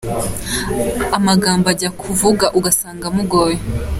Amagambo ajya kuvugaUgasanga amugoye.